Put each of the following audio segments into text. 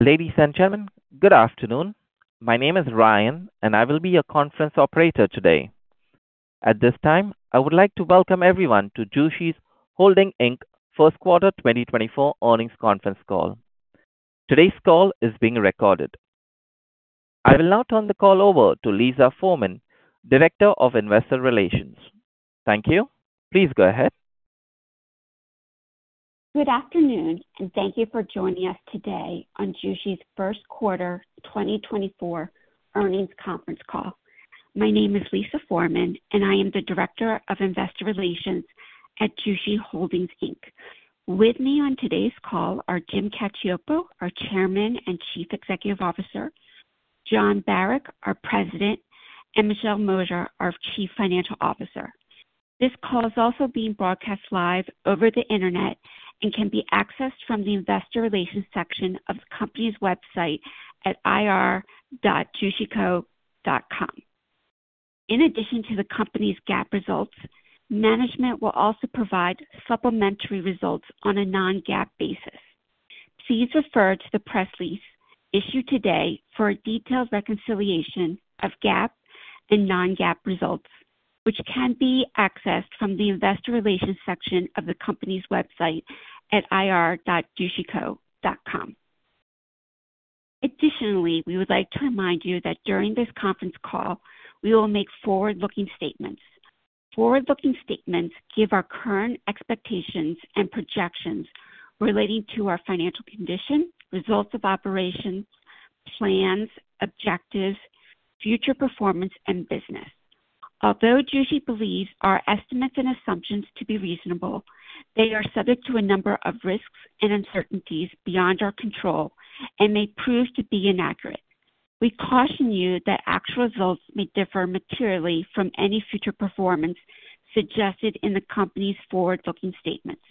Ladies and gentlemen, good afternoon. My name is Ryan, and I will be your conference operator today. At this time, I would like to welcome everyone to Jushi Holdings Inc's First Quarter 2024 earnings conference call. Today's call is being recorded. I will now turn the call over to Lisa Forman, Director of investor relations. Thank you. Please go ahead. Good afternoon, and thank you for joining us today on Jushi's First Quarter 2024 earnings conference call. My name is Lisa Forman, and I am the Director of investor relations at Jushi Holdings, Inc. With me on today's call are Jim Cacioppo, our Chairman and Chief Executive Officer, Jon Barack, our President, and Michelle Mosier, our Chief Financial Officer. This call is also being broadcast live over the internet and can be accessed from the investor relations section of the company's website at ir.jushi.com. In addition to the company's GAAP results, management will also provide supplementary results on a non-GAAP basis. Please refer to the press release issued today for a detailed reconciliation of GAAP and non-GAAP results, which can be accessed from the investor relations section of the company's website at ir.jushi.com. Additionally, we would like to remind you that during this conference call, we will make forward-looking statements. Forward-looking statements give our current expectations and projections relating to our financial condition, results of operations, plans, objectives, future performance, and business. Although Jushi believes our estimates and assumptions to be reasonable, they are subject to a number of risks and uncertainties beyond our control and may prove to be inaccurate. We caution you that actual results may differ materially from any future performance suggested in the company's forward-looking statements.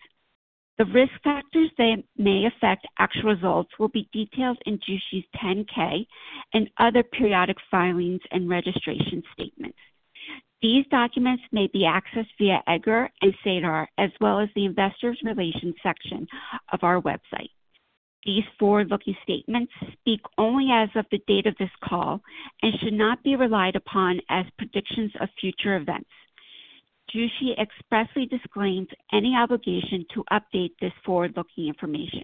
The risk factors that may affect actual results will be detailed in Jushi's 10-K and other periodic filings and registration statements. These documents may be accessed via EDGAR and SEDAR, as well as the investor relations section of our website. These forward-looking statements speak only as of the date of this call and should not be relied upon as predictions of future events. Jushi expressly disclaims any obligation to update this forward-looking information.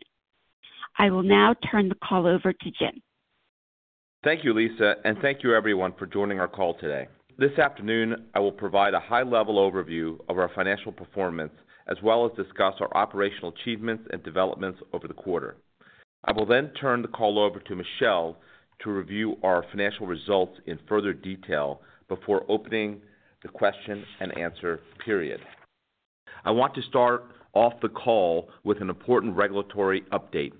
I will now turn the call over to Jim. Thank you, Lisa, and thank you everyone for joining our call today. This afternoon, I will provide a high-level overview of our financial performance, as well as discuss our operational achievements and developments over the quarter. I will then turn the call over to Michelle to review our financial results in further detail before opening the question and answer period. I want to start off the call with an important regulatory update.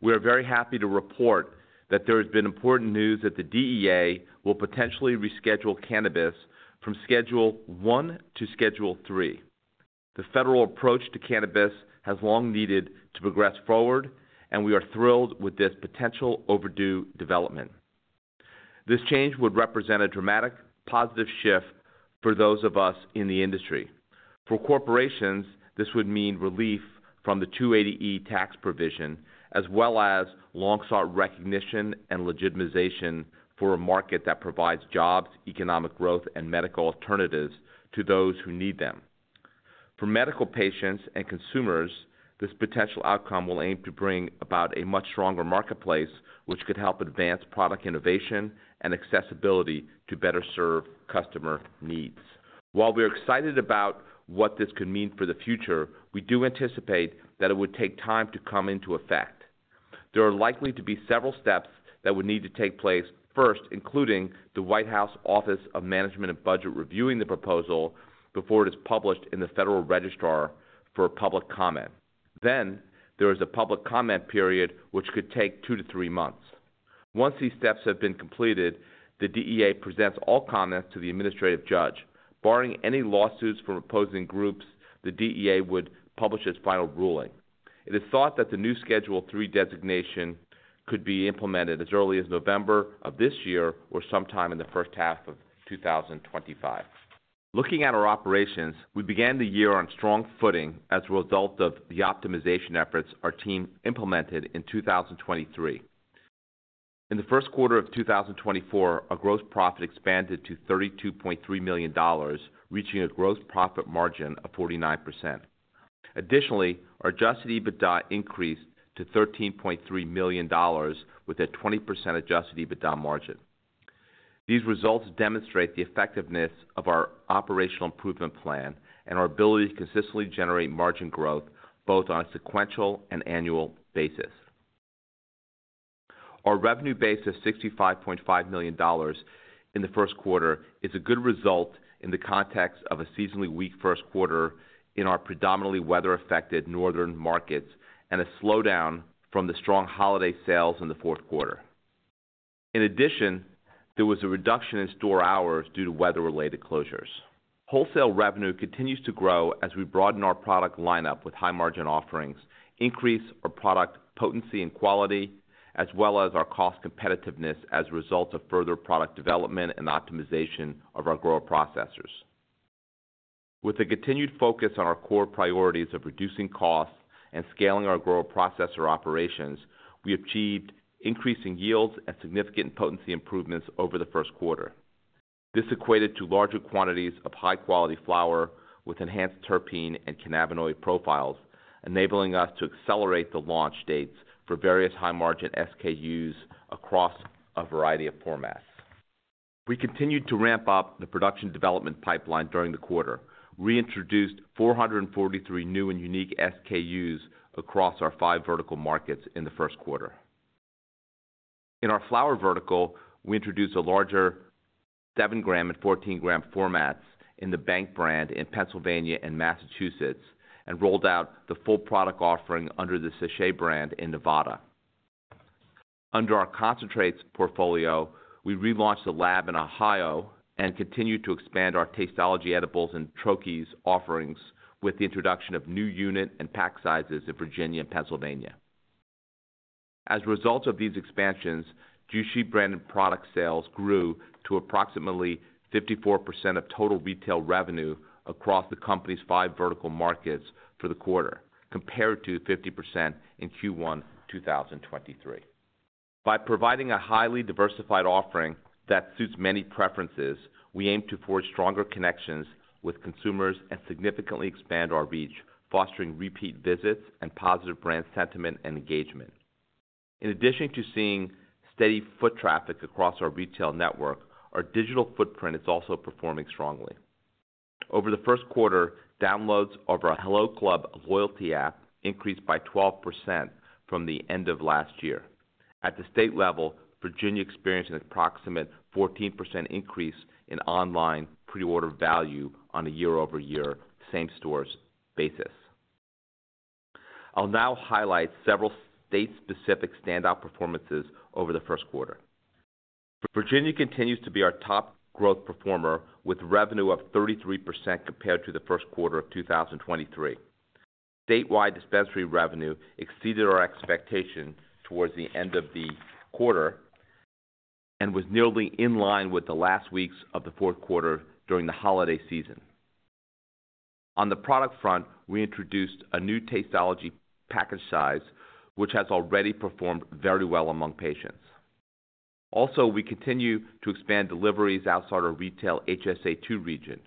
We are very happy to report that there has been important news that the DEA will potentially reschedule cannabis from Schedule I to Schedule III. The federal approach to cannabis has long needed to progress forward, and we are thrilled with this potential overdue development. This change would represent a dramatic positive shift for those of us in the industry. For corporations, this would mean relief from the 280E tax provision, as well as long-sought recognition and legitimization for a market that provides jobs, economic growth, and medical alternatives to those who need them. For medical patients and consumers, this potential outcome will aim to bring about a much stronger marketplace, which could help advance product innovation and accessibility to better serve customer needs. While we are excited about what this could mean for the future, we do anticipate that it would take time to come into effect. There are likely to be several steps that would need to take place first, including the White House Office of Management and Budget reviewing the proposal before it is published in the Federal Register for public comment. Then, there is a public comment period, which could take two to three months. Once these steps have been completed, the DEA presents all comments to the administrative judge. Barring any lawsuits from opposing groups, the DEA would publish its final ruling. It is thought that the new Schedule III designation could be implemented as early as November of this year or sometime in the first half of 2025. Looking at our operations, we began the year on strong footing as a result of the optimization efforts our team implemented in 2023. In the first quarter of 2024, our gross profit expanded to $32.3 million, reaching a gross profit margin of 49%. Additionally, our adjusted EBITDA increased to $13.3 million, with a 20% adjusted EBITDA margin. These results demonstrate the effectiveness of our operational improvement plan and our ability to consistently generate margin growth both on a sequential and annual basis. Our revenue base of $65.5 million in the first quarter is a good result in the context of a seasonally weak first quarter in our predominantly weather-affected northern markets and a slowdown from the strong holiday sales in the fourth quarter. In addition, there was a reduction in store hours due to weather-related closures. Wholesale revenue continues to grow as we broaden our product lineup with high-margin offerings, increase our product potency and quality, as well as our cost competitiveness as a result of further product development and optimization of our grower processors....With a continued focus on our core priorities of reducing costs and scaling our grower processor operations, we achieved increasing yields and significant potency improvements over the first quarter. This equated to larger quantities of high-quality flower with enhanced terpene and cannabinoid profiles, enabling us to accelerate the launch dates for various high-margin SKUs across a variety of formats. We continued to ramp up the production development pipeline during the quarter, reintroduced 443 new and unique SKUs across our five vertical markets in the first quarter. In our flower vertical, we introduced a larger 7-gram and 14-gram formats in the Bank brand in Pennsylvania and Massachusetts, and rolled out the full product offering under the Sèche brand in Nevada. Under our concentrates portfolio, we relaunched the lab in Ohio and continued to expand our Tasteology edibles and troches offerings with the introduction of new unit and pack sizes in Virginia and Pennsylvania. As a result of these expansions, Jushi branded product sales grew to approximately 54% of total retail revenue across the company's five vertical markets for the quarter, compared to 50% in Q1, 2023. By providing a highly diversified offering that suits many preferences, we aim to forge stronger connections with consumers and significantly expand our reach, fostering repeat visits and positive brand sentiment and engagement. In addition to seeing steady foot traffic across our retail network, our digital footprint is also performing strongly. Over the first quarter, downloads of our Hello Club loyalty app increased by 12% from the end of last year. At the state level, Virginia experienced an approximate 14% increase in online pre-order value on a year-over-year, same-stores basis. I'll now highlight several state-specific standout performances over the first quarter. Virginia continues to be our top growth performer, with revenue up 33% compared to the first quarter of 2023. Statewide dispensary revenue exceeded our expectations towards the end of the quarter and was nearly in line with the last weeks of the fourth quarter during the holiday season. On the product front, we introduced a new Tasteology package size, which has already performed very well among patients. Also, we continue to expand deliveries outside our retail HSA2 region.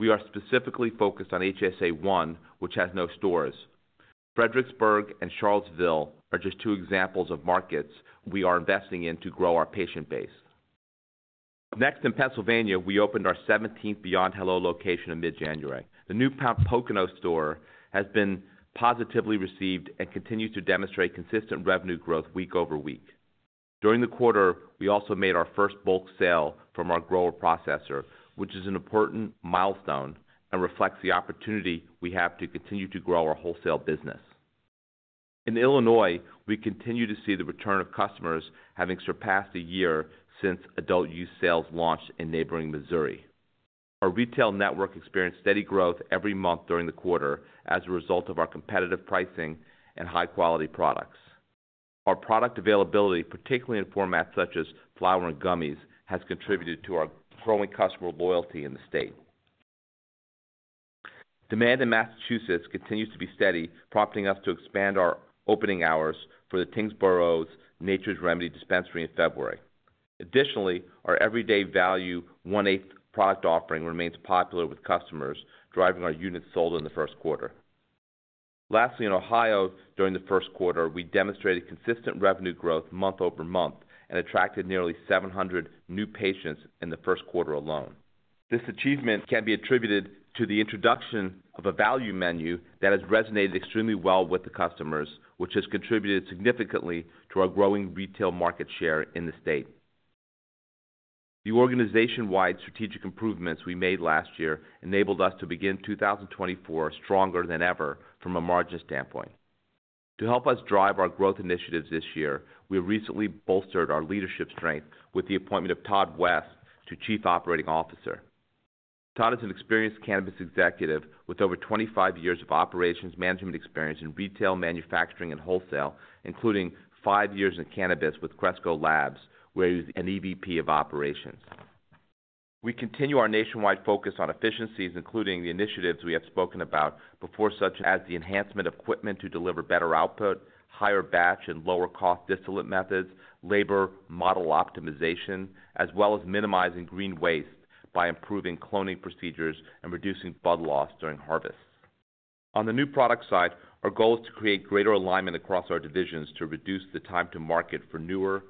We are specifically focused on HSA1, which has no stores. Fredericksburg and Charlottesville are just two examples of markets we are investing in to grow our patient base. Next, in Pennsylvania, we opened our 17th Beyond Hello location in mid-January. The New Pocono store has been positively received and continues to demonstrate consistent revenue growth week-over-week. During the quarter, we also made our first bulk sale from our grower processor, which is an important milestone and reflects the opportunity we have to continue to grow our wholesale business. In Illinois, we continue to see the return of customers having surpassed a year since adult-use sales launched in neighboring Missouri. Our retail network experienced steady growth every month during the quarter as a result of our competitive pricing and high-quality products. Our product availability, particularly in formats such as flower and gummies, has contributed to our growing customer loyalty in the state. Demand in Massachusetts continues to be steady, prompting us to expand our opening hours for the Tyngsborough's Nature's Remedy dispensary in February. Additionally, our everyday value one-eighth product offering remains popular with customers, driving our units sold in the first quarter. Lastly, in Ohio, during the first quarter, we demonstrated consistent revenue growth month-over-month and attracted nearly 700 new patients in the first quarter alone. This achievement can be attributed to the introduction of a value menu that has resonated extremely well with the customers, which has contributed significantly to our growing retail market share in the state. The organization-wide strategic improvements we made last year enabled us to begin 2024 stronger than ever from a margin standpoint. To help us drive our growth initiatives this year, we recently bolstered our leadership strength with the appointment of Todd West to Chief Operating Officer. Todd is an experienced cannabis executive with over 25 years of operations management experience in retail, manufacturing, and wholesale, including five years in cannabis with Cresco Labs, where he was an EVP of operations. We continue our nationwide focus on efficiencies, including the initiatives we have spoken about before, such as the enhancement of equipment to deliver better output, higher batch and lower-cost distillate methods, labor model optimization, as well as minimizing green waste by improving cloning procedures and reducing bud loss during harvest. On the new product side, our goal is to create greater alignment across our divisions to reduce the time to market for newer,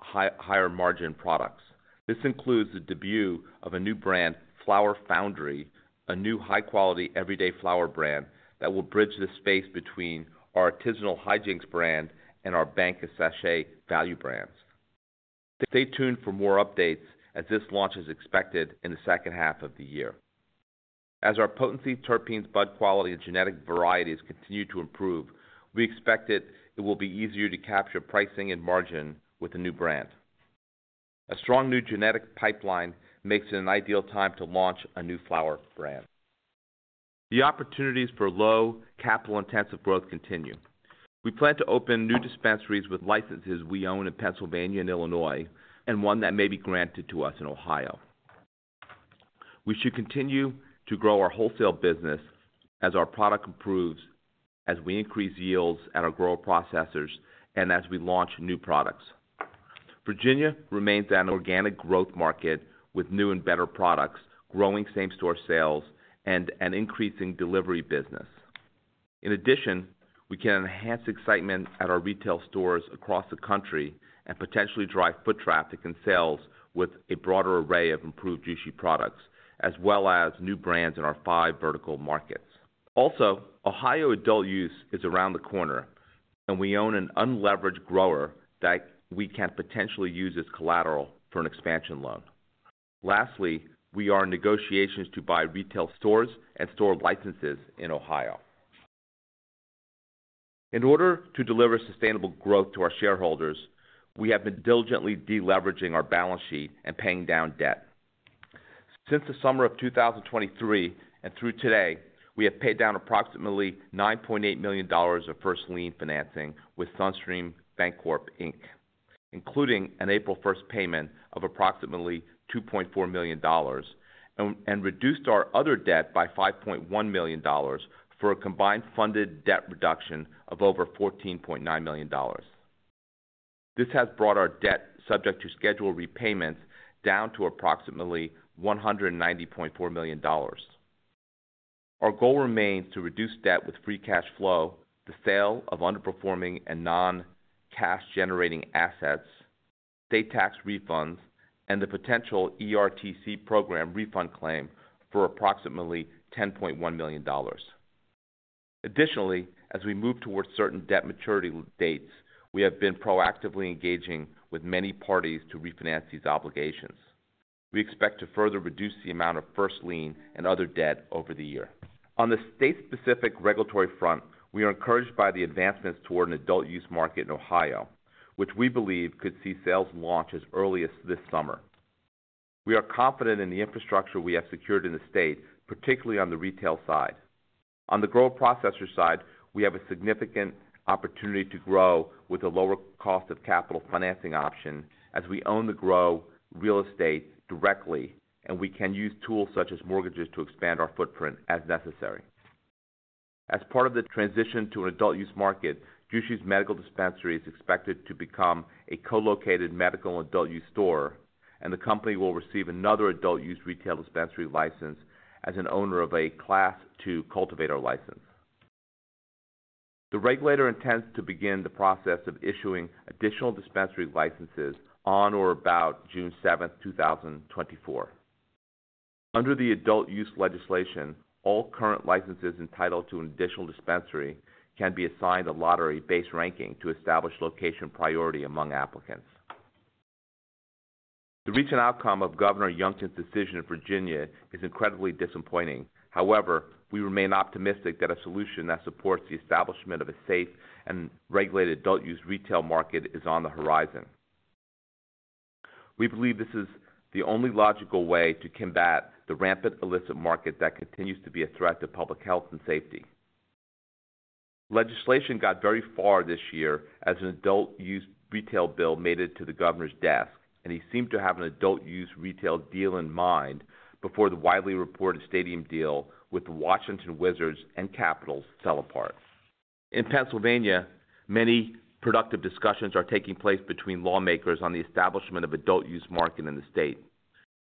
higher-margin products. This includes the debut of a new brand, Flower Foundry, a new high-quality, everyday flower brand that will bridge the space between our artisanal Hijinks brand and our Bank and Sèche value brands. Stay tuned for more updates, as this launch is expected in the second half of the year. As our potency, terpenes, bud quality, and genetic varieties continue to improve, we expect it will be easier to capture pricing and margin with the new brand. A strong new genetic pipeline makes it an ideal time to launch a new flower brand. The opportunities for low capital-intensive growth continue. We plan to open new dispensaries with licenses we own in Pennsylvania and Illinois, and one that may be granted to us in Ohio. We should continue to grow our wholesale business as our product improves, as we increase yields at our grower processors, and as we launch new products. Virginia remains an organic growth market with new and better products, growing same-store sales, and an increasing delivery business. In addition, we can enhance excitement at our retail stores across the country and potentially drive foot traffic and sales with a broader array of improved Jushi products, as well as new brands in our five vertical markets. Also, Ohio adult use is around the corner, and we own an unleveraged grower that we can potentially use as collateral for an expansion loan. Lastly, we are in negotiations to buy retail stores and store licenses in Ohio. In order to deliver sustainable growth to our shareholders, we have been diligently deleveraging our balance sheet and paying down debt. Since the summer of 2023 and through today, we have paid down approximately $9.8 million of first lien financing with Sunstream Bancorp Inc, including an April 1 payment of approximately $2.4 million, and reduced our other debt by $5.1 million, for a combined funded debt reduction of over $14.9 million. This has brought our debt subject to scheduled repayments down to approximately $190.4 million. Our goal remains to reduce debt with free cash flow, the sale of underperforming and non-cash generating assets, state tax refunds, and the potential ERTC program refund claim for approximately $10.1 million. Additionally, as we move towards certain debt maturity dates, we have been proactively engaging with many parties to refinance these obligations. We expect to further reduce the amount of first lien and other debt over the year. On the state-specific regulatory front, we are encouraged by the advancements toward an adult use market in Ohio, which we believe could see sales launch as early as this summer. We are confident in the infrastructure we have secured in the state, particularly on the retail side. On the grower processor side, we have a significant opportunity to grow with a lower cost of capital financing option as we own the grow real estate directly, and we can use tools such as mortgages to expand our footprint as necessary. As part of the transition to an adult use market, Jushi's medical dispensary is expected to become a co-located medical and adult use store, and the company will receive another adult use retail dispensary license as an owner of a Class Two cultivator license. The regulator intends to begin the process of issuing additional dispensary licenses on or about June 7, 2024. Under the adult use legislation, all current licenses entitled to an additional dispensary can be assigned a lottery-based ranking to establish location priority among applicants. The recent outcome of Governor Youngkin's decision in Virginia is incredibly disappointing. However, we remain optimistic that a solution that supports the establishment of a safe and regulated adult use retail market is on the horizon. We believe this is the only logical way to combat the rampant illicit market that continues to be a threat to public health and safety. Legislation got very far this year as an adult use retail bill made it to the governor's desk, and he seemed to have an adult use retail deal in mind before the widely reported stadium deal with the Washington Wizards and Capitals fell apart. In Pennsylvania, many productive discussions are taking place between lawmakers on the establishment of adult use market in the state.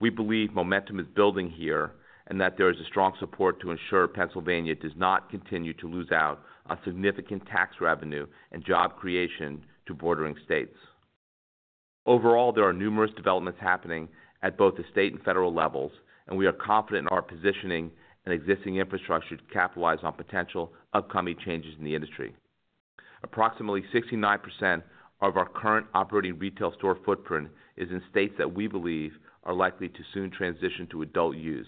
We believe momentum is building here and that there is a strong support to ensure Pennsylvania does not continue to lose out on significant tax revenue and job creation to bordering states. Overall, there are numerous developments happening at both the state and federal levels, and we are confident in our positioning and existing infrastructure to capitalize on potential upcoming changes in the industry. Approximately 69% of our current operating retail store footprint is in states that we believe are likely to soon transition to adult use,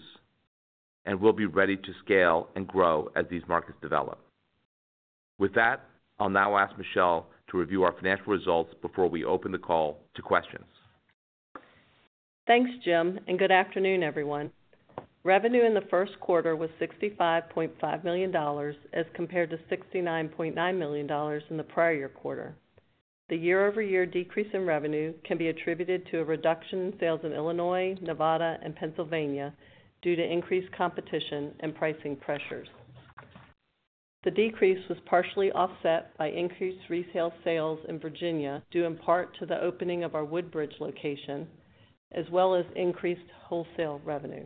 and we'll be ready to scale and grow as these markets develop. With that, I'll now ask Michelle to review our financial results before we open the call to questions. Thanks, Jim, and good afternoon, everyone. Revenue in the first quarter was $65.5 million, as compared to $69.9 million in the prior year quarter. The year-over-year decrease in revenue can be attributed to a reduction in sales in Illinois, Nevada and Pennsylvania due to increased competition and pricing pressures. The decrease was partially offset by increased resale sales in Virginia, due in part to the opening of our Woodbridge location, as well as increased wholesale revenue.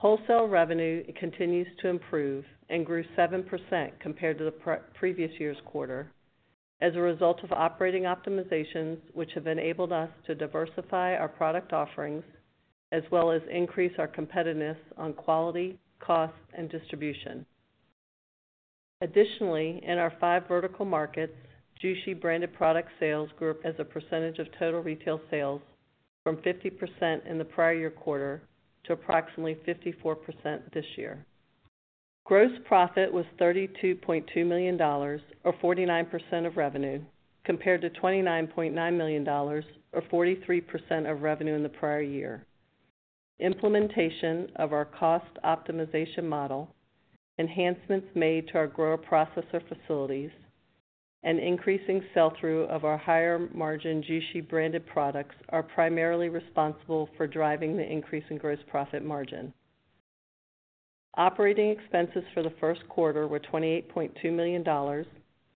Wholesale revenue continues to improve and grew 7% compared to the previous year's quarter as a result of operating optimizations, which have enabled us to diversify our product offerings, as well as increase our competitiveness on quality, cost, and distribution. Additionally, in our five vertical markets, Jushi branded product sales grew as a percentage of total retail sales from 50% in the prior year quarter to approximately 54% this year. Gross profit was $32.2 million, or 49% of revenue, compared to $29.9 million, or 43% of revenue in the prior year. Implementation of our cost optimization model, enhancements made to our grower processor facilities, and increasing sell-through of our higher margin Jushi branded products are primarily responsible for driving the increase in gross profit margin. Operating expenses for the first quarter were $28.2 million,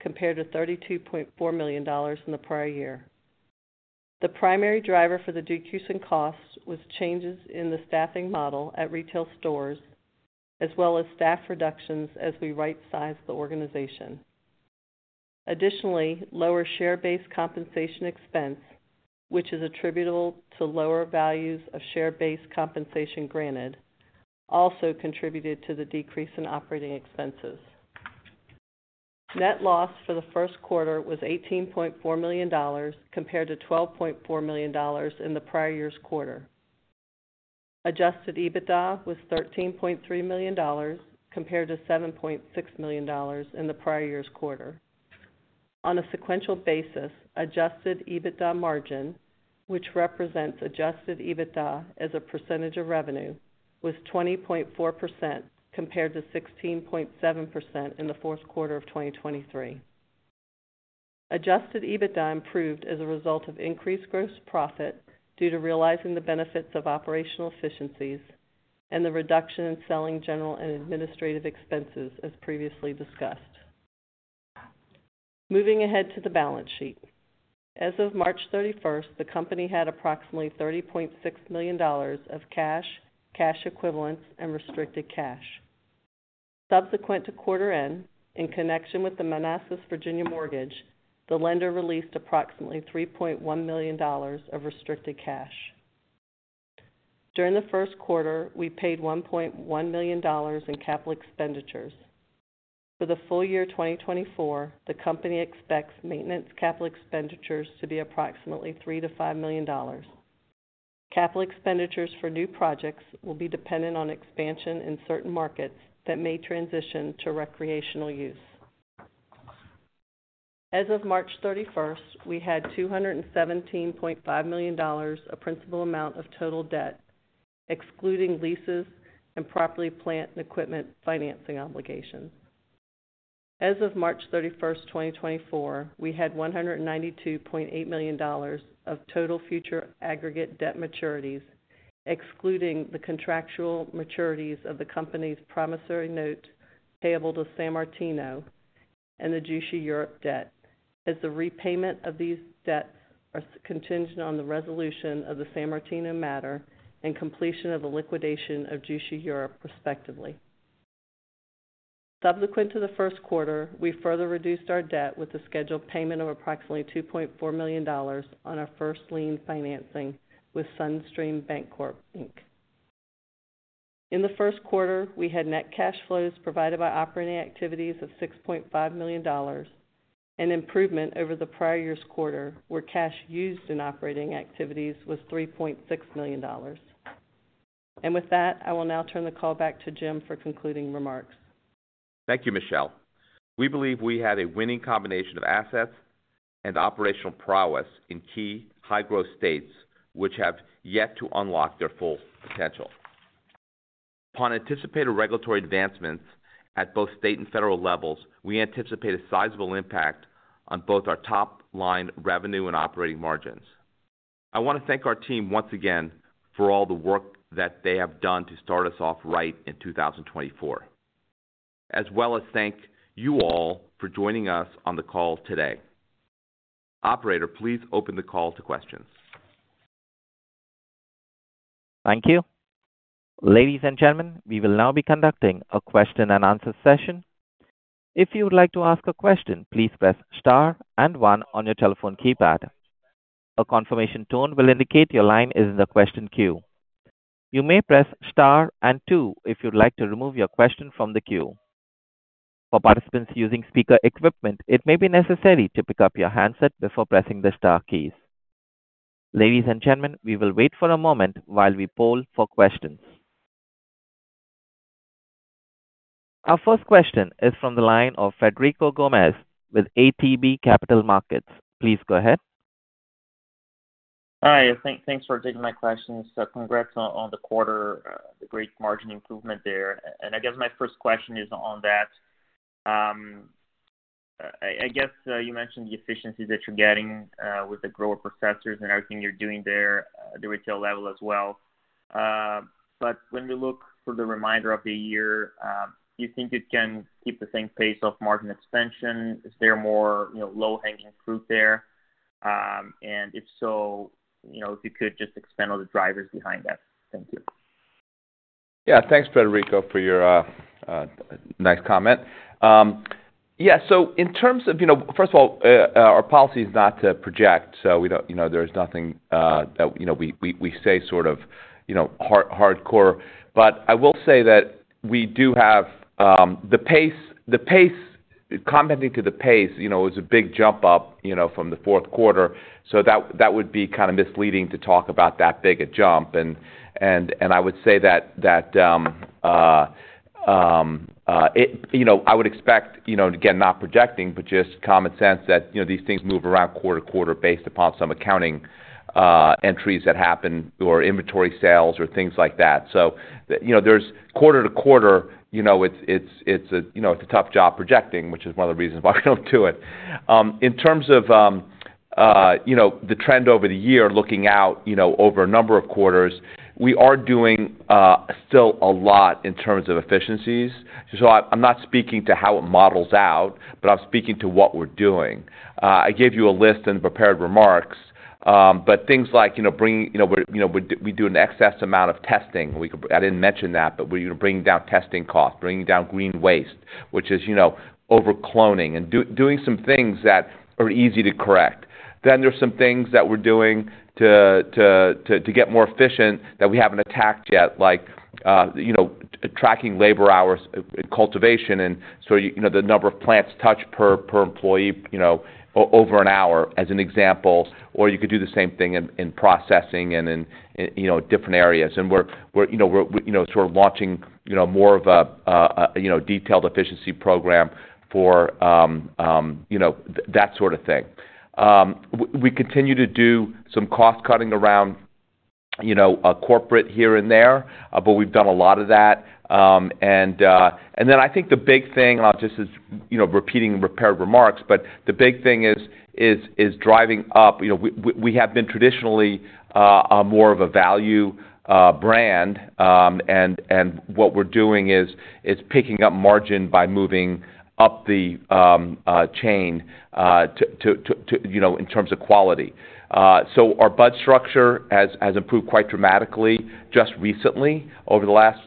compared to $32.4 million in the prior year. The primary driver for the decrease in costs was changes in the staffing model at retail stores, as well as staff reductions as we rightsize the organization. Additionally, lower share-based compensation expense, which is attributable to lower values of share-based compensation granted, also contributed to the decrease in operating expenses. Net loss for the first quarter was $18.4 million, compared to $12.4 million in the prior year's quarter. Adjusted EBITDA was $13.3 million, compared to $7.6 million in the prior year's quarter. On a sequential basis, adjusted EBITDA margin, which represents adjusted EBITDA as a percentage of revenue, was 20.4%, compared to 16.7% in the fourth quarter of 2023. Adjusted EBITDA improved as a result of increased gross profit due to realizing the benefits of operational efficiencies and the reduction in selling general and administrative expenses, as previously discussed. Moving ahead to the balance sheet. As of March 31st, the company had approximately $30.6 million of cash, cash equivalents, and restricted cash. Subsequent to quarter end, in connection with the Manassas, Virginia mortgage, the lender released approximately $3.1 million of restricted cash. During the first quarter, we paid $1.1 million in capital expenditures. For the full year 2024, the company expects maintenance capital expenditures to be approximately $3-$5 million. Capital expenditures for new projects will be dependent on expansion in certain markets that may transition to recreational use. As of March 31st, we had $217.5 million of principal amount of total debt, excluding leases and property, plant, and equipment financing obligations. As of March 31st, 2024, we had $192.8 million of total future aggregate debt maturities, excluding the contractual maturities of the company's promissory note payable to San Martino and the Jushi Europe debt, as the repayment of these debts are contingent on the resolution of the San Martino matter and completion of the liquidation of Jushi Europe, respectively. Subsequent to the first quarter, we further reduced our debt with the scheduled payment of approximately $2.4 million on our first lien financing with Sunstream Bancorp, Inc. In the first quarter, we had net cash flows provided by operating activities of $6.5 million, an improvement over the prior year's quarter, where cash used in operating activities was $3.6 million. And with that, I will now turn the call back to Jim for concluding remarks. Thank you, Michelle. We believe we have a winning combination of assets and operational prowess in key high-growth states, which have yet to unlock their full potential. Upon anticipated regulatory advancements at both state and federal levels, we anticipate a sizable impact on both our top-line revenue and operating margins. I want to thank our team once again for all the work that they have done to start us off right in 2024, as well as thank you all for joining us on the call today. Operator, please open the call to questions. Thank you. Ladies and gentlemen, we will now be conducting a question and answer session. If you would like to ask a question, please press Star and One on your telephone keypad. A confirmation tone will indicate your line is in the question queue. You may press Star and Two if you'd like to remove your question from the queue. For participants using speaker equipment, it may be necessary to pick up your handset before pressing the star keys. Ladies and gentlemen, we will wait for a moment while we poll for questions. Our first question is from the line of Federico Gomez with ATB Capital Markets. Please go ahead. Hi, thanks for taking my questions. So congrats on the quarter, the great margin improvement there. And I guess my first question is on that. I guess you mentioned the efficiencies that you're getting with the grower processors and everything you're doing there at the retail level as well. But when you look for the remainder of the year, do you think it can keep the same pace of margin expansion? Is there more, you know, low-hanging fruit there? And if so, you know, if you could just expand on the drivers behind that. Thank you. Yeah, thanks, Federico, for your nice comment. Yeah, so in terms of... You know, first of all, our policy is not to project, so we don't, you know, there's nothing that, you know, we say sort of, you know, hard, hardcore. But I will say that we do have the pace, the pace... Commenting to the pace, you know, it was a big jump up, you know, from the fourth quarter, so that would be kind of misleading to talk about that big a jump. And I would say that it, you know, I would expect, you know, again, not projecting, but just common sense, that, you know, these things move around quarter-to-quarter based upon some accounting entries that happen or inventory sales or things like that. So, you know, there's quarter-to-quarter, you know, it's a, you know, it's a tough job projecting, which is one of the reasons why I don't do it. In terms of, you know, the trend over the year, looking out, you know, over a number of quarters, we are doing, still a lot in terms of efficiencies. So I'm not speaking to how it models out, but I'm speaking to what we're doing. I gave you a list in prepared remarks, but things like, you know, bringing, you know, we're, you know, we do an excess amount of testing. We could... I didn't mention that, but we're gonna bring down testing costs, bringing down green waste, which is, you know, over cloning and doing some things that are easy to correct. Then there's some things that we're doing to get more efficient that we haven't attacked yet, like, you know, tracking labor hours in cultivation, and so you know, the number of plants touched per employee, you know, over an hour, as an example, or you could do the same thing in processing and in different areas. And we're, you know, sort of launching more of a detailed efficiency program for that sort of thing. We continue to do some cost cutting around corporate here and there, but we've done a lot of that. And then I think the big thing, not just as, you know, repeating prepared remarks, but the big thing is driving up... You know, we have been traditionally a more of a value brand, and what we're doing is picking up margin by moving up the chain to, you know, in terms of quality. So our bud structure has improved quite dramatically just recently, over the last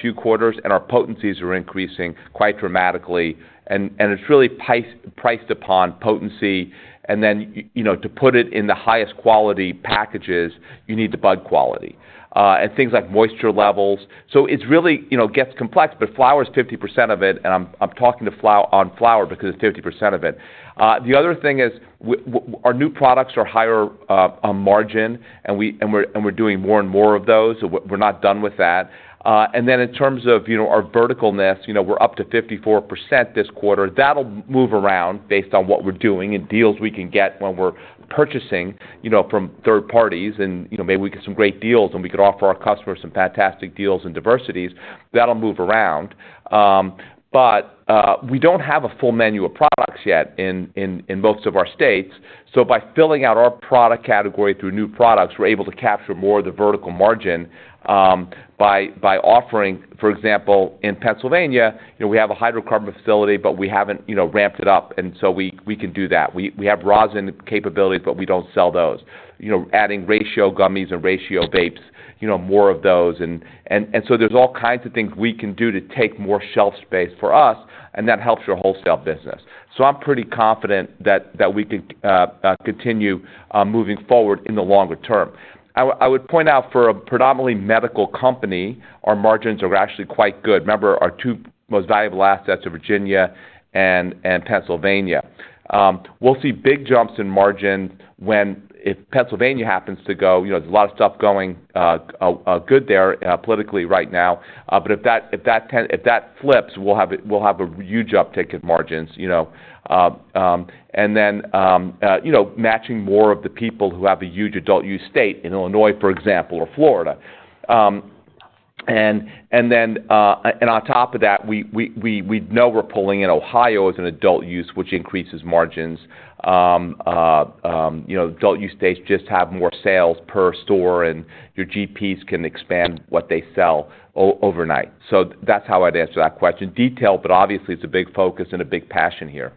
few quarters, and our potencies are increasing quite dramatically. And it's really priced upon potency, and then, you know, to put it in the highest quality packages, you need the bud quality and things like moisture levels. So it's really, you know, gets complex, but flower is 50% of it, and I'm talking about flower because it's 50% of it. The other thing is our new products are higher on margin, and we're doing more and more of those. So we're not done with that. And then in terms of, you know, our verticalness, you know, we're up to 54% this quarter. That'll move around based on what we're doing and deals we can get when we're purchasing, you know, from third parties, and, you know, maybe we get some great deals, and we could offer our customers some fantastic deals and diversities. That'll move around. But we don't have a full menu of products yet in most of our states. So by filling out our product category through new products, we're able to capture more of the vertical margin, by offering... For example, in Pennsylvania, you know, we have a hydrocarbon facility, but we haven't, you know, ramped it up, and so we can do that. We have rosin capabilities, but we don't sell those. You know, adding ratio gummies and ratio vapes, you know, more of those. And so there's all kinds of things we can do to take more shelf space for us, and that helps your wholesale business. So I'm pretty confident that we can continue moving forward in the longer term. I would point out for a predominantly medical company, our margins are actually quite good. Remember, our two most valuable assets are Virginia and Pennsylvania. We'll see big jumps in margins when, if Pennsylvania happens to go, you know, there's a lot of stuff going good there politically right now. But if that flips, we'll have a huge uptick in margins, you know. And then, you know, matching more of the people who have a huge adult use state in Illinois, for example, or Florida. And then, and on top of that, we know we're pulling in Ohio as an adult use, which increases margins. You know, adult use states just have more sales per store, and your GPs can expand what they sell overnight. So that's how I'd answer that question. Detailed, but obviously, it's a big focus and a big passion here.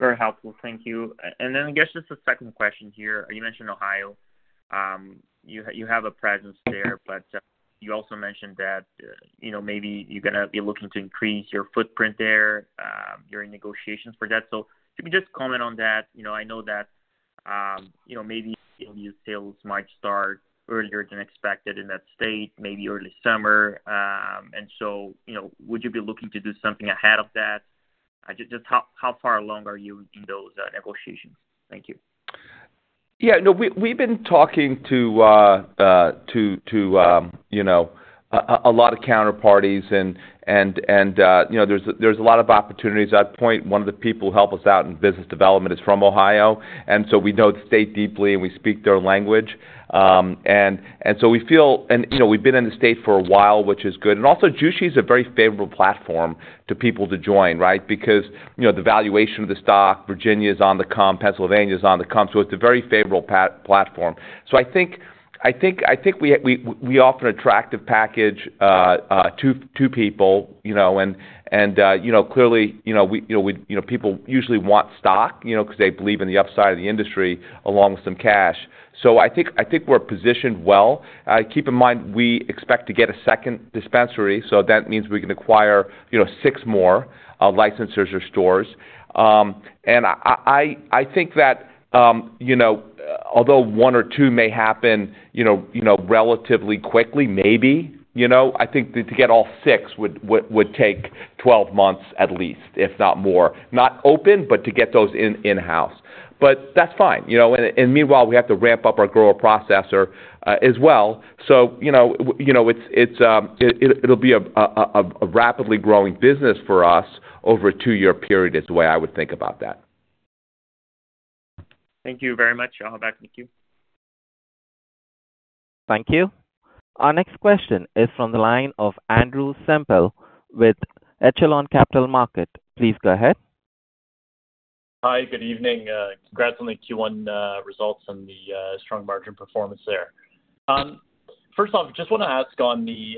Very helpful. Thank you. And then I guess just a second question here. You mentioned Ohio. You have a presence there, but you also mentioned that, you know, maybe you're gonna be looking to increase your footprint there during negotiations for that. So can you just comment on that? You know, I know that, you know, maybe new sales might start earlier than expected in that state, maybe early summer. And so, you know, would you be looking to do something ahead of that? Just how far along are you in those negotiations? Thank you. Yeah. No, we've been talking to you know, a lot of counterparties and, you know, there's a lot of opportunities. At that point, one of the people who help us out in business development is from Ohio, and so we know the state deeply, and we speak their language. And so we feel... And, you know, we've been in the state for a while, which is good. And also, Jushi is a very favorable platform to people to join, right? Because, you know, the valuation of the stock, Virginia is on the come, Pennsylvania is on the come, so it's a very favorable platform. So I think we offer an attractive package to people, you know, and you know, clearly, you know, people usually want stock, you know, because they believe in the upside of the industry, along with some cash. So I think we're positioned well. Keep in mind, we expect to get a second dispensary, so that means we can acquire, you know, 6 more licenses or stores. And I think that, you know, although 1 or 2 may happen, you know, relatively quickly, maybe, you know, I think to get all 6 would take 12 months at least, if not more. Not open, but to get those in-house. But that's fine, you know, and meanwhile, we have to ramp up our grower processor as well. So, you know, you know, it's it'll be a rapidly growing business for us over a two-year period, is the way I would think about that. Thank you very much. I'll back to you. Thank you. Our next question is from the line of Andrew Semple with Echelon Capital Markets. Please go ahead. Hi, good evening. Congrats on the Q1 results and the strong margin performance there. First off, just wanna ask on the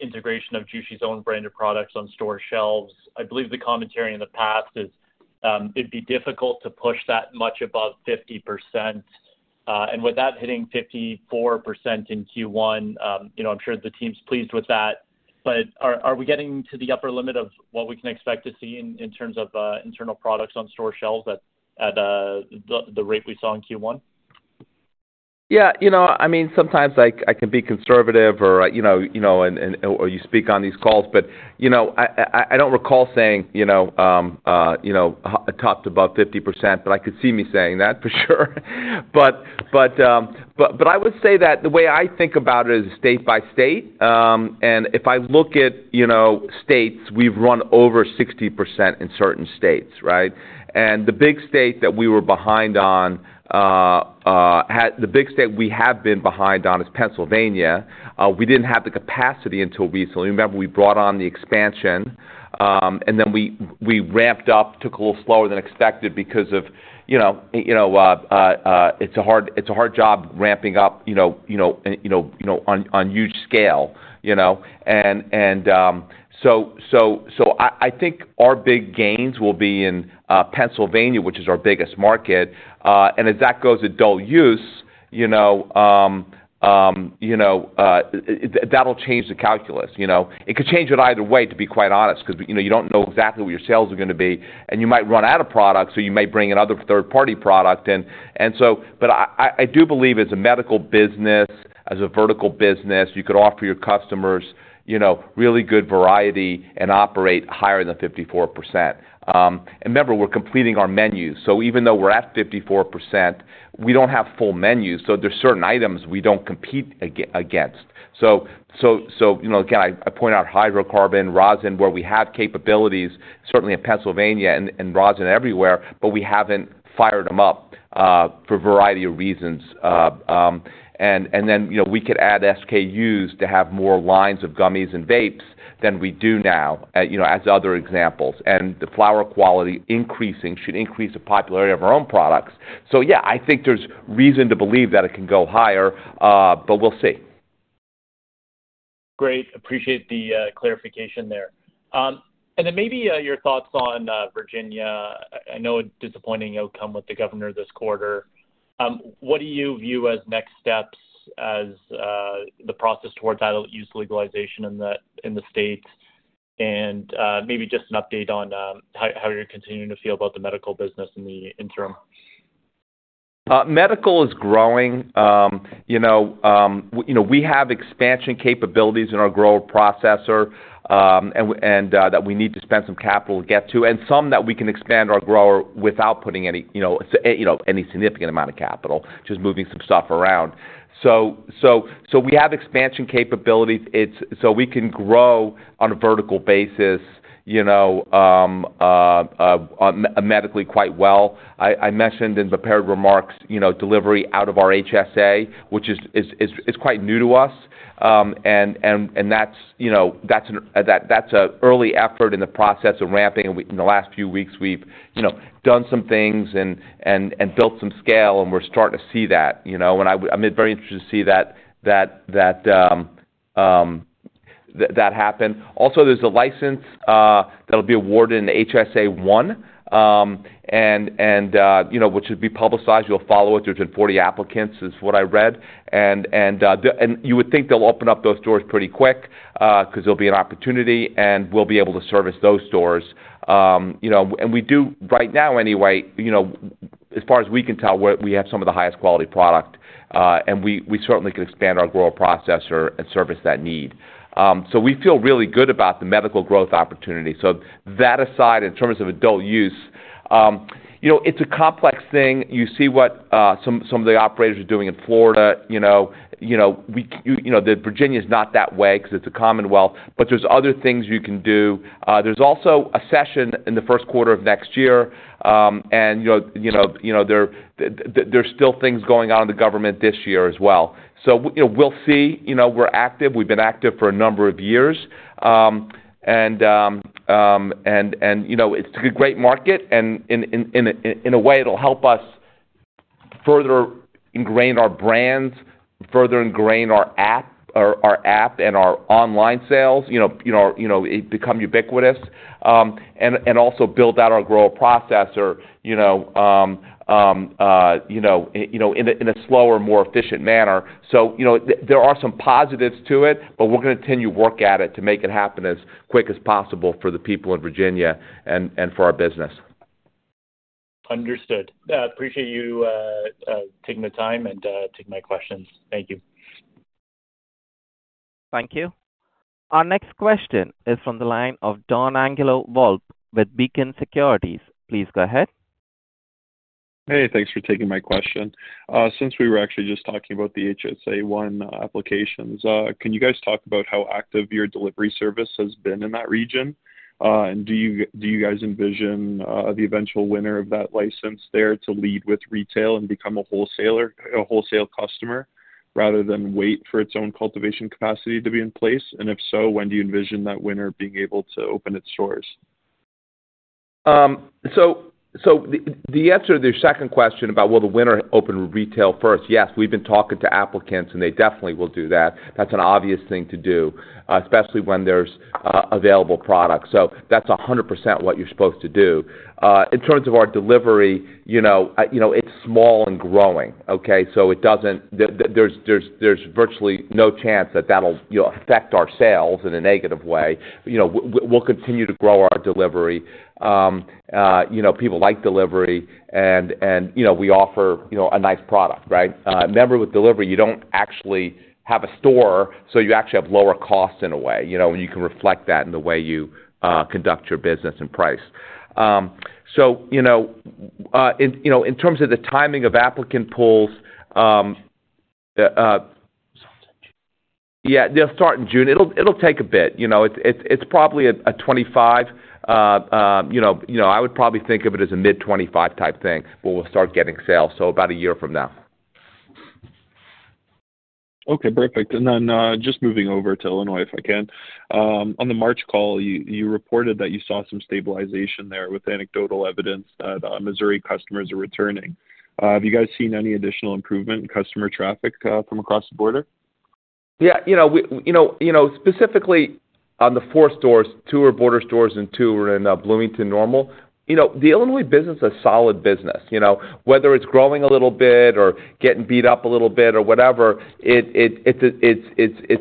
integration of Jushi's own brand of products on store shelves. I believe the commentary in the past is it'd be difficult to push that much above 50%, and with that hitting 54% in Q1, you know, I'm sure the team's pleased with that. But are we getting to the upper limit of what we can expect to see in terms of internal products on store shelves at the rate we saw in Q1? Yeah, you know, I mean, sometimes I can be conservative or, you know, you know, and or you speak on these calls. But, you know, I don't recall saying, you know, topped above 50%, but I could see me saying that for sure. But I would say that the way I think about it is state by state. And if I look at, you know, states, we've run over 60% in certain states, right? And the big state that we were behind on, the big state we have been behind on is Pennsylvania. We didn't have the capacity until recently. Remember, we brought on the expansion, and then we ramped up, took a little slower than expected because of, you know, you know, it's a hard job ramping up, you know, you know, and, you know, you know, on huge scale, you know. So I think our big gains will be in Pennsylvania, which is our biggest market. And as that goes adult use, you know, you know, that'll change the calculus, you know. It could change it either way, to be quite honest, 'cause, you know, you don't know exactly what your sales are gonna be, and you might run out of product, so you may bring another third-party product in. And so... But I do believe as a medical business, as a vertical business, you could offer your customers, you know, really good variety and operate higher than 54%. And remember, we're completing our menu. So even though we're at 54%, we don't have full menus, so there's certain items we don't compete against. So, you know, again, I point out hydrocarbon rosin, where we have capabilities, certainly in Pennsylvania and rosin everywhere, but we haven't fired them up for a variety of reasons. And then, you know, we could add SKUs to have more lines of gummies and vapes than we do now, you know, as other examples. And the flower quality increasing, should increase the popularity of our own products. So yeah, I think there's reason to believe that it can go higher, but we'll see. Great. Appreciate the, clarification there. And then maybe, your thoughts on, Virginia. I know a disappointing outcome with the governor this quarter. What do you view as next steps as, the process towards adult-use legalization in the states? And, maybe just an update on, how you're continuing to feel about the medical business in the interim. Medical is growing. You know, we have expansion capabilities in our grower processor, and that we need to spend some capital to get to, and some that we can expand our grower without putting any, you know, any significant amount of capital, just moving some stuff around. So we have expansion capabilities. So we can grow on a vertical basis, you know, medically quite well. I mentioned in the prepared remarks, you know, delivery out of our HSA, which is quite new to us. And that's, you know, that's an early effort in the process of ramping. In the last few weeks, we've, you know, done some things and built some scale, and we're starting to see that, you know, and I would... I'm very interested to see that happen. Also, there's a license that'll be awarded in HSA One, and you know, which would be publicized. You'll follow it. There's been 40 applicants, is what I read. And you would think they'll open up those stores pretty quick, 'cause there'll be an opportunity, and we'll be able to service those stores. You know, and we do right now, anyway, you know, as far as we can tell, we have some of the highest quality product, and we certainly can expand our grower processor and service that need. So we feel really good about the medical growth opportunity. So that aside, in terms of adult use, you know, it's a complex thing. You see what some of the operators are doing in Florida, you know, the Virginia is not that way, 'cause it's a commonwealth, but there's other things you can do. There's also a session in the first quarter of next year, and you know, there's still things going on in the government this year as well. So you know, we'll see. You know, we're active, we've been active for a number of years. And, you know, it's a great market, and in a way, it'll help us further ingrain our brands, further ingrain our app, our app and our online sales, you know, you know, you know, it become ubiquitous. And also build out our grower processor, you know, you know, in a slower, more efficient manner. So, you know, there are some positives to it, but we're gonna continue to work at it to make it happen as quick as possible for the people in Virginia and for our business. Understood. Appreciate you taking the time and taking my questions. Thank you. ... Thank you. Our next question is from the line of Donangelo Volpe with Beacon Securities. Please go ahead. Hey, thanks for taking my question. Since we were actually just talking about the HSA One applications, can you guys talk about how active your delivery service has been in that region? And do you guys envision the eventual winner of that license there to lead with retail and become a wholesaler, a wholesale customer, rather than wait for its own cultivation capacity to be in place? And if so, when do you envision that winner being able to open its stores? So, the answer to the second question about will the winner open retail first? Yes, we've been talking to applicants, and they definitely will do that. That's an obvious thing to do, especially when there's available product. So that's 100% what you're supposed to do. In terms of our delivery, you know, it's small and growing, okay? So it doesn't—there's virtually no chance that that'll, you know, affect our sales in a negative way. You know, we'll continue to grow our delivery. You know, people like delivery and, you know, we offer, you know, a nice product, right? Remember, with delivery, you don't actually have a store, so you actually have lower costs in a way, you know, and you can reflect that in the way you conduct your business and price. So, you know, in terms of the timing of applicant pools... Yeah, they'll start in June. It'll take a bit, you know, it's probably a 25, you know, I would probably think of it as a mid-2025 type thing, where we'll start getting sales, so about a year from now. Okay, perfect. And then, just moving over to Illinois, if I can. On the March call, you, you reported that you saw some stabilization there with anecdotal evidence that Missouri customers are returning. Have you guys seen any additional improvement in customer traffic, from across the border? Yeah, you know, we, you know, you know, specifically on the four stores, two are border stores and two are in Bloomington-Normal. You know, the Illinois business is a solid business. You know, whether it's growing a little bit or getting beat up a little bit or whatever, it's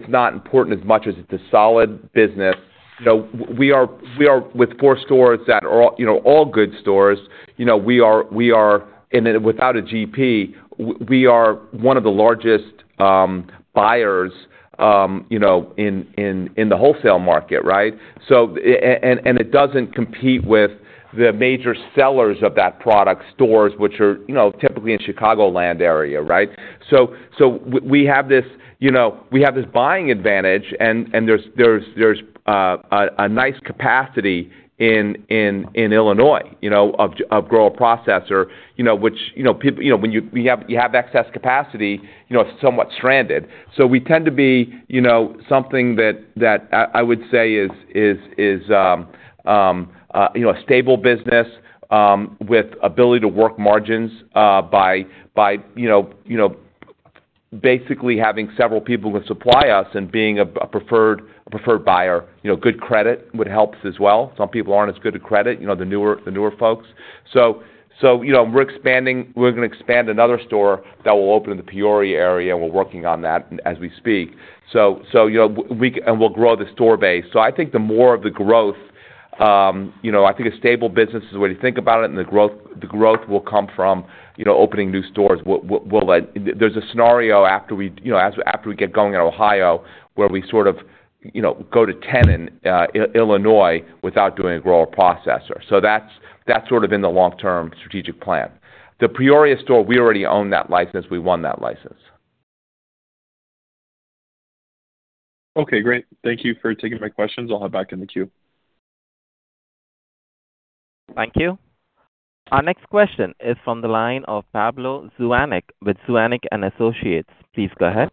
not important as much as it's a solid business. You know, we are with four stores that are all, you know, all good stores. You know, we are... And then without a GP, we are one of the largest buyers, you know, in the wholesale market, right? So, and it doesn't compete with the major sellers of that product, stores, which are, you know, typically in Chicagoland area, right? So we have this buying advantage, and there's a nice capacity in Illinois, you know, of grower processor, you know, which, you know, people, you know, when you have excess capacity, you know, it's somewhat stranded. So we tend to be, you know, something that I would say is a stable business with ability to work margins by you know basically having several people who supply us and being a preferred buyer. You know, good credit would help us as well. Some people aren't as good a credit, you know, the newer folks. So, you know, we're expanding, we're gonna expand another store that will open in the Peoria area, and we're working on that as we speak. So, you know, we, and we'll grow the store base. So I think the more of the growth, you know, I think a stable business is the way to think about it, and the growth, the growth will come from, you know, opening new stores. We'll, like, there's a scenario after we, you know, after we get going in Ohio, where we sort of, you know, go to 10 in Illinois without doing a grower-processor. So that's sort of in the long-term strategic plan. The Peoria store, we already own that license. We won that license. Okay, great. Thank you for taking my questions. I'll head back in the queue. Thank you. Our next question is from the line of Pablo Zuanic with Zuanic and Associates. Please go ahead.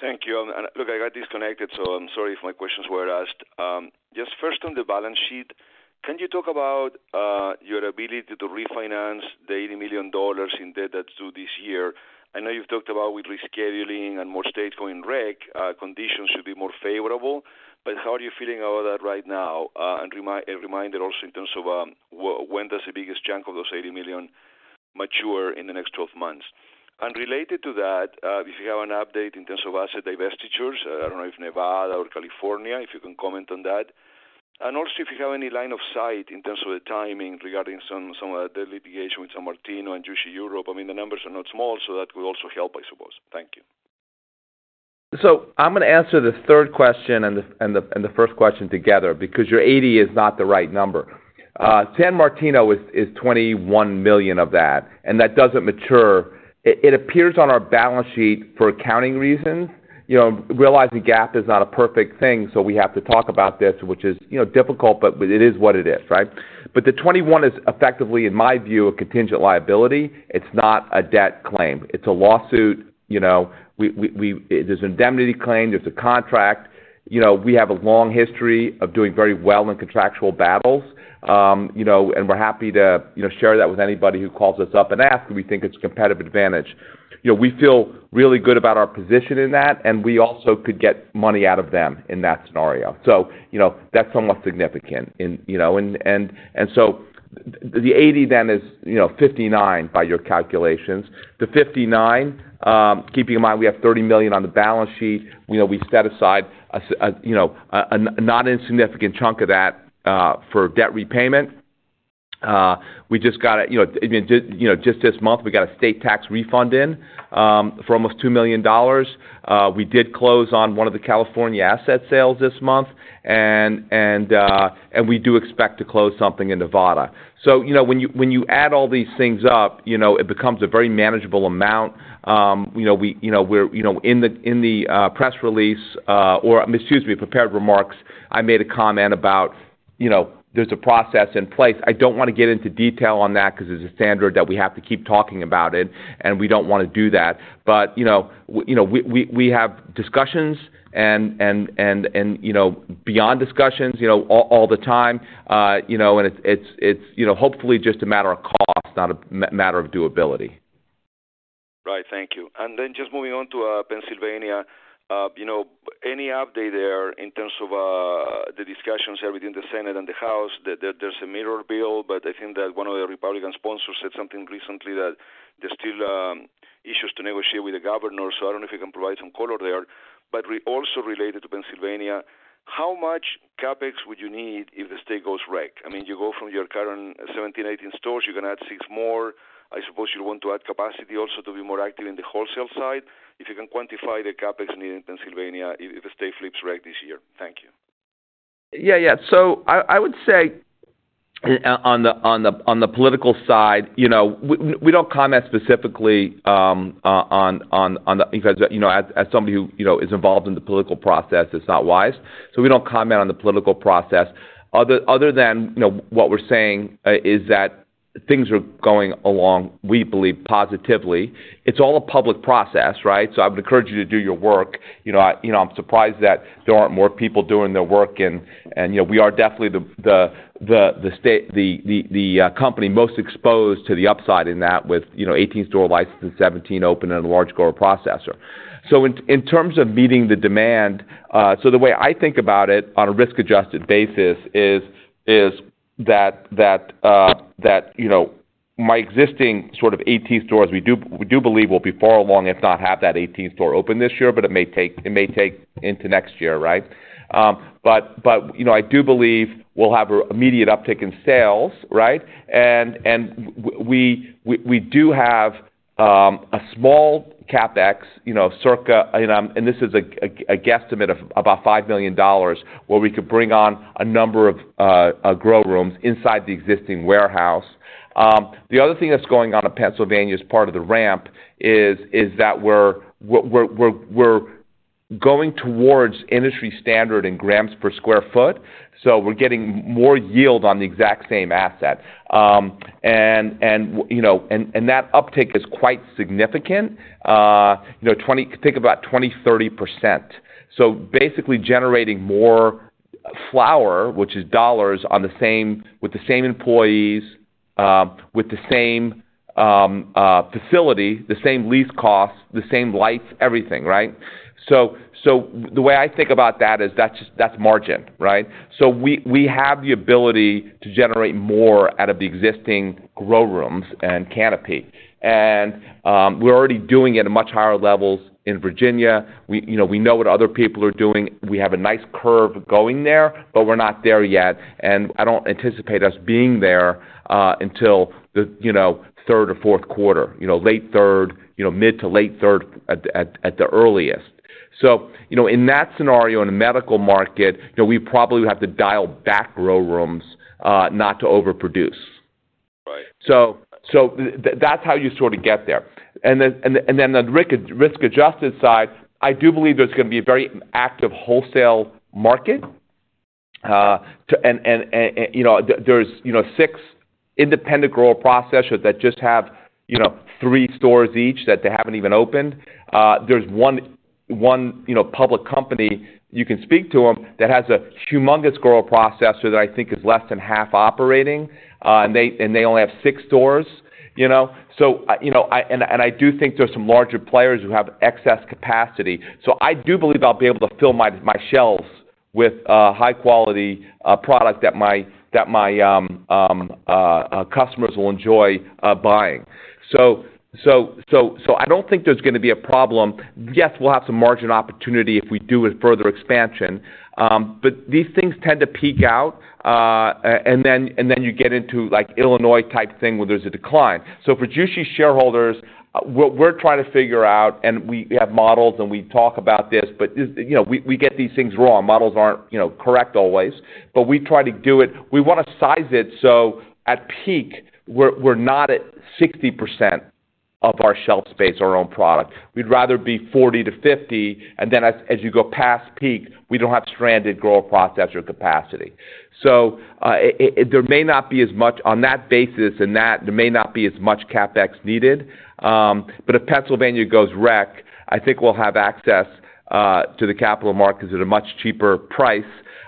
Thank you. And look, I got disconnected, so I'm sorry if my questions were asked. Just first on the balance sheet, can you talk about your ability to refinance the $80 million in debt that's due this year? I know you've talked about with rescheduling and more states going rec, conditions should be more favorable, but how are you feeling about that right now? And a reminder also in terms of, when does the biggest chunk of those $80 million mature in the next 12 months? And related to that, if you have an update in terms of asset divestitures, I don't know if Nevada or California, if you can comment on that. And also, if you have any line of sight in terms of the timing regarding some of the litigation with San Martino and Jushi Europe. I mean, the numbers are not small, so that would also help, I suppose. Thank you. So I'm gonna answer the third question and the first question together, because your 80 is not the right number. San Martino is $21 million of that, and that doesn't mature. It appears on our balance sheet for accounting reasons. You know, realize the GAAP is not a perfect thing, so we have to talk about this, which is, you know, difficult, but it is what it is, right? But the 21 is effectively, in my view, a contingent liability. It's not a debt claim. It's a lawsuit, you know, we, there's indemnity claim, there's a contract. You know, we have a long history of doing very well in contractual battles. You know, and we're happy to, you know, share that with anybody who calls us up and ask, we think it's competitive advantage. You know, we feel really good about our position in that, and we also could get money out of them in that scenario. So, you know, that's somewhat significant in, you know. So the 80 then is, you know, 59 by your calculations. The 59, keeping in mind, we have $30 million on the balance sheet. You know, we set aside a not insignificant chunk of that for debt repayment. We just got a, you know, I mean, just this month, we got a state tax refund in for almost $2 million. We did close on one of the California asset sales this month, and we do expect to close something in Nevada. So, you know, when you add all these things up, you know, it becomes a very manageable amount. You know, we, you know, we're, you know, in the press release, or excuse me, prepared remarks, I made a comment about, you know, there's a process in place. I don't wanna get into detail on that because it's a standard that we have to keep talking about it, and we don't wanna do that. But, you know, you know, we have discussions and, you know, beyond discussions, you know, all the time. You know, and it's, you know, hopefully just a matter of cost, not a matter of doability. Right. Thank you. And then just moving on to Pennsylvania, you know, any update there in terms of the discussions within the Senate and the House? There's a mirror bill, but I think that one of the Republican sponsors said something recently that there's still issues to negotiate with the governor, so I don't know if you can provide some color there. But we also related to Pennsylvania, how much CapEx would you need if the state goes rec? I mean, you go from your current 17, 18 stores, you're gonna add six more. I suppose you want to add capacity also to be more active in the wholesale side. If you can quantify the CapEx needed in Pennsylvania if the state flips rec this year? Thank you. Yeah, yeah. So I would say on the political side, you know, we don't comment specifically because, you know, as somebody who, you know, is involved in the political process, it's not wise. So we don't comment on the political process. Other than, you know, what we're saying is that things are going along, we believe, positively. It's all a public process, right? So I would encourage you to do your work. You know, you know, I'm surprised that there aren't more people doing their work and, you know, we are definitely the company most exposed to the upside in that with, you know, 18 store license and 17 open and a large grower processor. So in terms of meeting the demand, so the way I think about it on a risk-adjusted basis is that, you know, my existing sort of 18 stores, we do believe will be far along, if not have that 18th store open this year, but it may take into next year, right? But, you know, I do believe we'll have a immediate uptick in sales, right? And we do have a small CapEx, you know, circa, you know, and this is a guesstimate of about $5 million, where we could bring on a number of grow rooms inside the existing warehouse. The other thing that's going on in Pennsylvania as part of the ramp is that we're going towards industry standard in grams per sq ft, so we're getting more yield on the exact same asset. And, you know, that uptick is quite significant, you know, think about 20-30%. So basically generating more flower, which is dollars, on the same with the same employees, with the same facility, the same lease costs, the same lights, everything, right? So the way I think about that is that's margin, right? So we have the ability to generate more out of the existing grow rooms and canopy. And we're already doing it at much higher levels in Virginia. We know what other people are doing. We have a nice curve going there, but we're not there yet, and I don't anticipate us being there until the, you know, third or fourth quarter, you know, late third, you know, mid to late third at the earliest. So, you know, in that scenario, in the medical market, you know, we probably would have to dial back grow rooms, not to overproduce. Right. So that's how you sort of get there. And then the risk-adjusted side, I do believe there's gonna be a very active wholesale market. You know, there's 6 independent grower processors that just have 3 stores each that they haven't even opened. There's one public company, you can speak to them, that has a humongous grower processor that I think is less than half operating, and they only have 6 stores, you know? So, you know, I do think there are some larger players who have excess capacity. So I do believe I'll be able to fill my shelves with high-quality product that my customers will enjoy buying. So I don't think there's gonna be a problem. Yes, we'll have some margin opportunity if we do a further expansion, but these things tend to peak out, and then you get into like Illinois-type thing, where there's a decline. So for Jushi shareholders, what we're trying to figure out, and we have models and we talk about this, but, you know, we get these things wrong. Models aren't, you know, correct always. But we try to do it. We wanna size it so at peak, we're not at 60% of our shelf space, our own product. We'd rather be 40%-50%, and then as you go past peak, we don't have stranded grower processor capacity. So, there may not be as much on that basis, and that there may not be as much CapEx needed. But if Pennsylvania goes rec, I think we'll have access to the capital markets at a much cheaper price,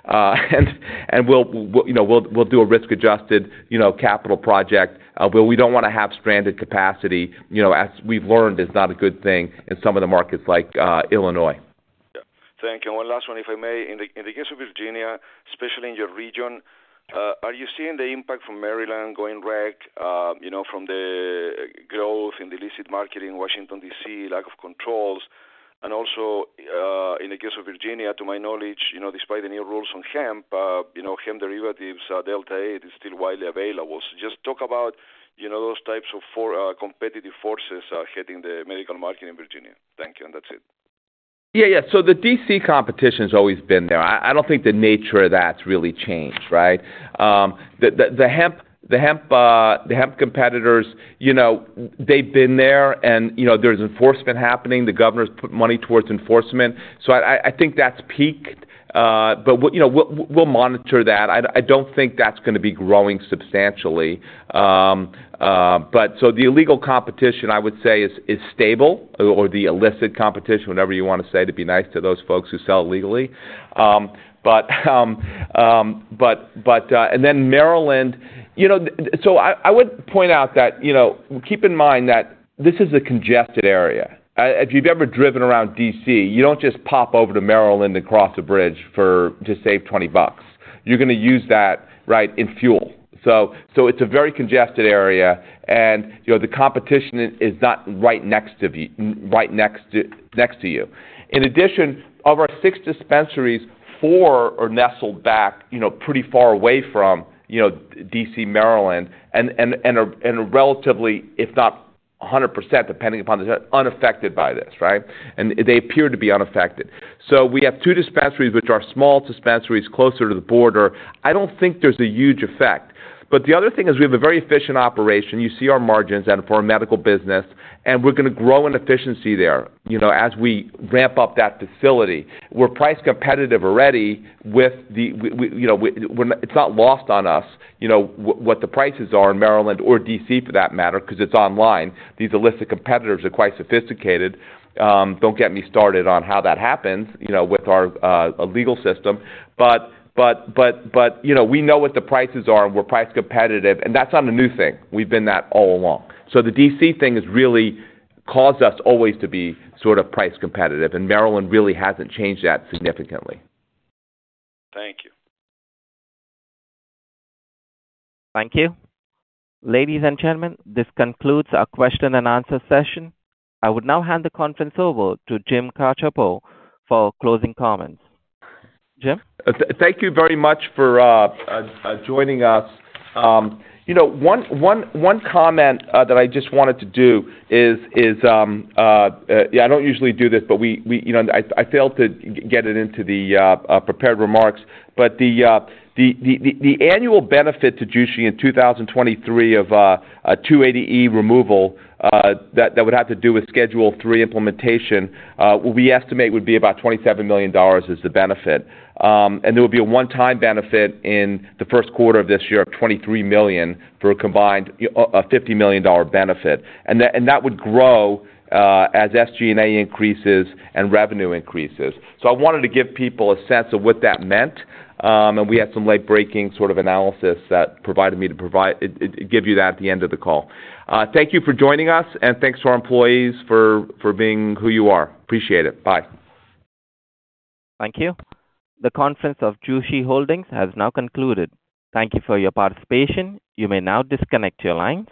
and we'll do a risk-adjusted, you know, capital project, but we don't wanna have stranded capacity, you know, as we've learned, is not a good thing in some of the markets like Illinois. Yeah. Thank you. One last one, if I may. In the case of Virginia, especially in your region, are you seeing the impact from Maryland going rec, you know, from the growth in the illicit market in Washington, D.C., lack of controls? And also, in the case of Virginia, to my knowledge, you know, despite the new rules on hemp, you know, hemp derivatives, delta-8 is still widely available. So just talk about, you know, those types of competitive forces hitting the medical market in Virginia. Thank you, and that's it. Yeah, yeah. So the D.C. competition's always been there. I don't think the nature of that's really changed, right? The hemp competitors, you know, they've been there and, you know, there's enforcement happening. The governor's put money towards enforcement. So I think that's peaked. But what... You know, we'll monitor that. I don't think that's gonna be growing substantially. But so the illegal competition, I would say, is stable or the illicit competition, whatever you wanna say, to be nice to those folks who sell illegally. And then Maryland, you know, so I would point out that, you know, keep in mind that this is a congested area. If you've ever driven around D.C., you don't just pop over to Maryland and cross a bridge to save $20. You're gonna use that, right, in fuel. So it's a very congested area, and, you know, the competition is not right next to you. In addition, of our 6 dispensaries, 4 are nestled back, you know, pretty far away from, you know, D.C., Maryland, and are relatively, if not 100%, depending upon the unaffected by this, right? And they appear to be unaffected. So we have two dispensaries, which are small dispensaries, closer to the border. I don't think there's a huge effect. But the other thing is we have a very efficient operation. You see our margins and for our medical business, and we're gonna grow in efficiency there, you know, as we ramp up that facility. We're price competitive already with the... you know, when... It's not lost on us, you know, what the prices are in Maryland or D.C. for that matter, 'cause it's online. These illicit competitors are quite sophisticated. Don't get me started on how that happens, you know, with our legal system. But, you know, we know what the prices are, and we're price competitive, and that's not a new thing. We've been that all along. So the D.C. thing has really caused us always to be sort of price competitive, and Maryland really hasn't changed that significantly. Thank you. Thank you. Ladies and gentlemen, this concludes our question and answer session. I would now hand the conference over to Jim Cacioppo for closing comments. Jim? Thank you very much for joining us. You know, one comment that I just wanted to do is, I don't usually do this, but we, you know, and I failed to get it into the prepared remarks. But the annual benefit to Jushi in 2023 of a 280E removal that would have to do with Schedule III implementation, what we estimate would be about $27 million is the benefit. And there would be a one-time benefit in the first quarter of this year of $23 million, for a combined $50 million benefit. And that would grow as SG&A increases and revenue increases. So I wanted to give people a sense of what that meant, and we had some late-breaking sort of analysis that provided me to provide it. It give you that at the end of the call. Thank you for joining us, and thanks to our employees for being who you are. Appreciate it. Bye. Thank you. The conference of Jushi Holdings has now concluded. Thank you for your participation. You may now disconnect your lines.